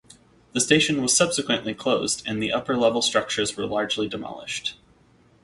The station was subsequently closed and the upper-level structures were largely demolished.